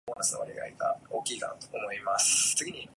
Answer these multiple-choice questions about science and technology.